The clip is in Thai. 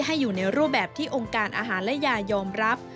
อยู่ในรูปแบบที่องค์การอาหารและยายอมรับ